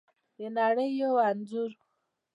د نړۍ یو انځور